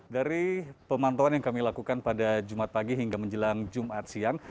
dari pemantauan yang kami lakukan pada jumat pagi hingga menjelang jumat siang